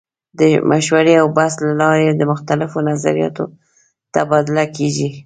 د مشورې او بحث له لارې د مختلفو نظریاتو تبادله کیږي.